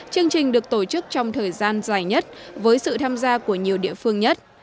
chương trình được tổ chức trong thời gian dài nhất với sự tham gia của nhiều địa phương nhất